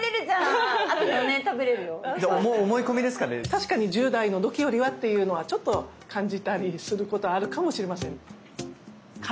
確かに１０代の時よりはっていうのはちょっと感じたりすることはあるかもしれません。